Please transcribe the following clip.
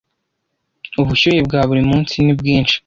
ubushyuhe bwa buri munsi ni bwinshi